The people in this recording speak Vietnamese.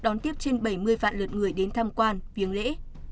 đón tiếp trên bảy mươi vạn lượt người đến tham quan viếng lễ